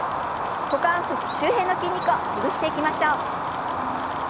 股関節周辺の筋肉をほぐしていきましょう。